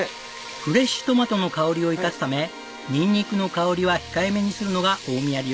フレッシュトマトの香りを生かすためニンニクの香りは控えめにするのが大宮流。